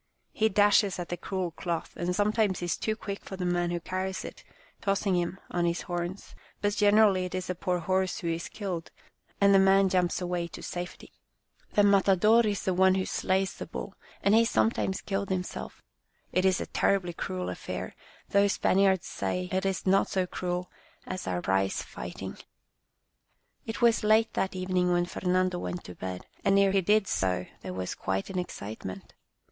He dashes at the cruel cloth, and sometimes is too quick for the man who carries it, tossing him on his horns, but gen erally it is the poor horse who is killed, and the man jumps away to safety. The matador 76 Our Little Spanish Cousin is the one who slays the bull, and he is some times killed himself. It is a terribly cruel affair, though Spaniards say it is not so cruel as our prize fighting. It was late that evening when Fernando went to bed, and ere he did so there was quite an excitement.